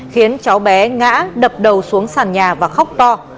khiến cháu bé ngã đập đầu xuống sàn nhà và khóc to